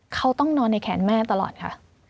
เขาต้องนอนในแขนแม่ตลอดค่ะ